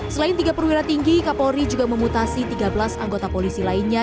selain tiga perwira tinggi kapolri juga memutasi tiga belas anggota polisi lainnya